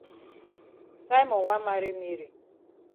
Simon wan maret Mary.